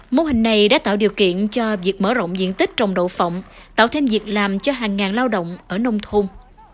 mô hình này đã tạo điều kiện cho việc mở rộng diện tích trồng đậu phộng tạo thêm việc làm cho hàng ngàn lao động ở nông thôn